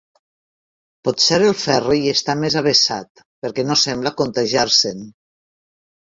Potser el Ferri hi està més avesat, perquè no sembla contagiar-se'n.